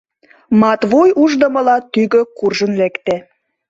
Матвуй ушдымыла тӱгӧ куржын лекте.